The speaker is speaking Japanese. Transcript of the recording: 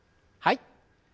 はい。